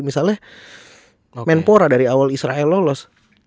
misalnya menpora dari awal israel lolos